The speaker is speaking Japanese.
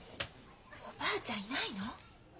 おばあちゃんいないの？